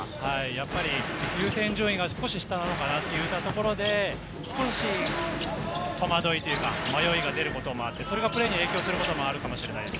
やっぱり優先順位が少し下なのかなっていたところで、少し戸惑いというか迷いが出ることもあって、それがプレーに影響することもあるかもしれません。